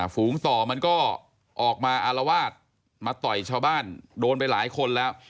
ฝูงต่อมันก็ออกมาอารวาสมาต่อยชาวบ้านโดนไปหลายคนแล้ว